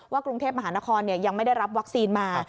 กรุงเทพมหานครยังไม่ได้รับวัคซีนมา